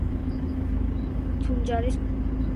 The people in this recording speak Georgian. თუნჯარის ქვეყანაში ჩამოვედი.